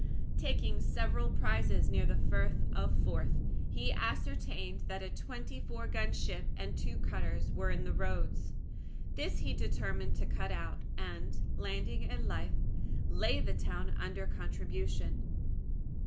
Taking several prizes near the Firth of Forth, he ascertained that a twenty four gun ship and two cutters were in the roads. These he determined to cut out, and, landing at Leith, lay the town under contribution.